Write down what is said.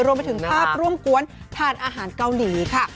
รวมไปถึงภาพร่วมกวนทานอาหารเกาหลีค่ะ